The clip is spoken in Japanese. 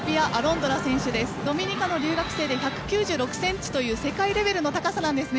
ドミニカの留学生で１９６センチという世界レベルの高さなんですね。